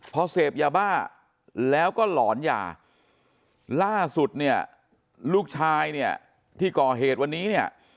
พอเสพยาบ้าแล้วก็หลอนยาล่าสุดเนี่ยลูกชายเนี่ยที่ก่อเหตุวันนี้เนี่ย